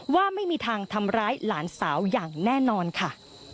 ว่าไม่มีทางทำร้ายหลานสาวอย่างแน่นอนค่ะ